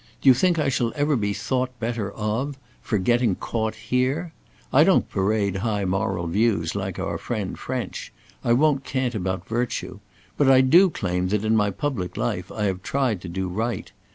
Do you think I shall ever be thought better of; for getting caught here? I don't parade high moral views like our friend French. I won't cant about virtue. But I do claim that in my public life I have tried to do right.